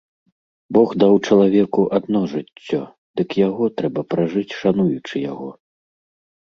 Бог даў чалавеку адно жыццё, дык яго трэба пражыць шануючы яго.